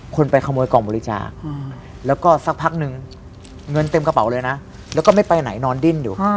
คนไปขโมยกล่องบริจาคแล้วก็สักพักนึงเงินเต็มกระเป๋าเลยนะแล้วก็ไม่ไปไหนนอนดิ้นอยู่